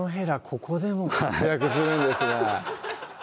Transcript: ここでも活躍するんですね